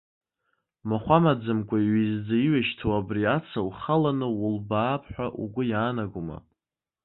Махә амаӡамкәа иҩызӡа иҩашьҭу абри аца ухаланы улбаап ҳәа угәы иаанагома?